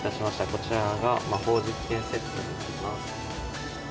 こちらが魔法実験セットになります。